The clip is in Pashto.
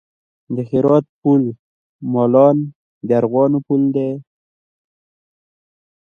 د هرات پل مالان د ارغوانو پل دی